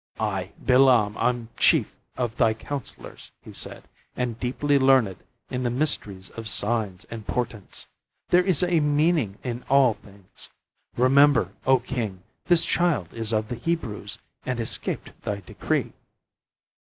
"I, Bilam, am chief of thy counselors," he said, "and deeply learned in the mysteries of signs and portents. There is a meaning in all things. Remember, O King, this child is of the Hebrews, and escaped thy decree.